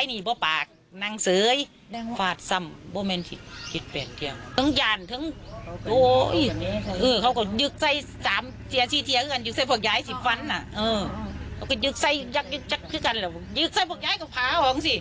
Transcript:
สิบนาน่ะเออโอเคยึกไส้ยักยักยักชิ้กันหรอโลกยึกไส้บุมย้ายกภาว่องศิ